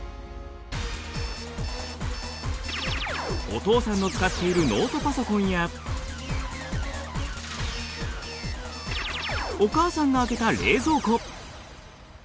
お父さんの使っているノートパソコンやお母さんが開けた冷蔵庫。